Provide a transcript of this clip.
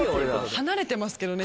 離れてますけどね。